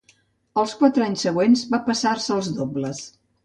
Els quatre anys següents va passar-se als dobles.